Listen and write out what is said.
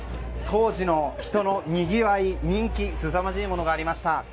当時の人のにぎわい、人気すさまじいものがありました。